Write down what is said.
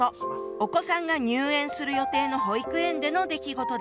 お子さんが入園する予定の保育園での出来事でした。